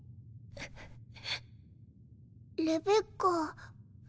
レベッカ。